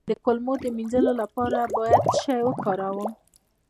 د کولمو د مینځلو لپاره باید څه شی وکاروم؟